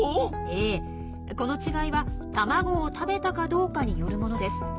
この違いは卵を食べたかどうかによるものです。